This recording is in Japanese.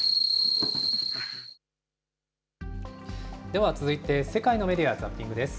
では続いて、世界のメディア・ザッピングです。